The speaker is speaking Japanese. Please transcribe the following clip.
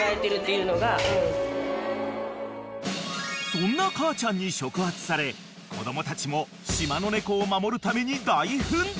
［そんな母ちゃんに触発され子供たちも島の猫を守るために大奮闘］